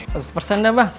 satu persen dah mas